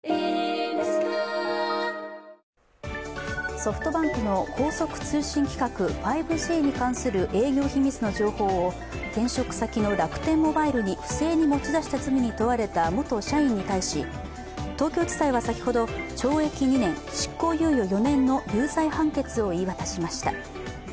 ソフトバンクの高速通信規格５Ｇに関する営業秘密の情報を転職先の楽天モバイルに不正に持ち出した罪に問われた元社員に対し東京地裁は先ほど、懲役２年、執行猶予４年の有罪判決を言い渡しました。